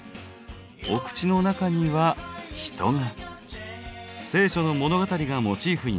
お口の中には人が。